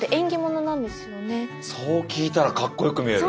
そう聞いたらかっこよく見える。